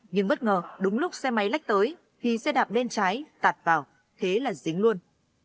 nhưng bất ngờ đúng lúc xe máy lách tới thì xe đạp bên trái tạt vào thế là dính luôn